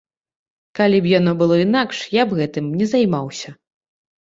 Калі б яно было інакш, я б гэтым не займаўся.